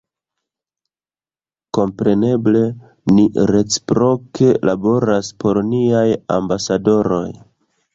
Kompreneble, ni reciproke laboras por niaj ambasadoroj